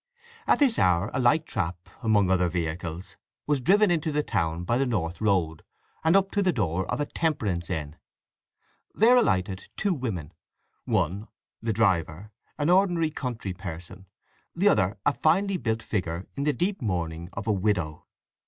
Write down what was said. At this hour a light trap, among other vehicles, was driven into the town by the north road, and up to the door of a temperance inn. There alighted two women, one the driver, an ordinary country person, the other a finely built figure in the deep mourning of a widow.